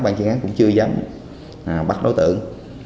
ban chuyên án cũng chưa dám bắt đối tượng